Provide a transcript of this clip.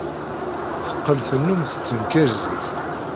Teqqel tennum tettenkar zik.